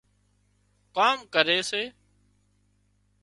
ڪام ڪري سي